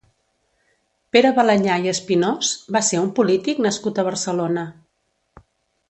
Pere Balañá i Espinós va ser un polític nascut a Barcelona.